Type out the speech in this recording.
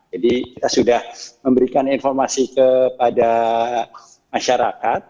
jadi kita sudah memberikan informasi kepada masyarakat